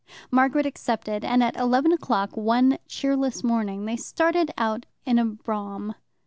Margaret accepted, and at eleven o'clock one cheerless morning they started out in a brougham.